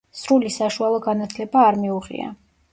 სრული საშუალო განათლება არ მიუღია.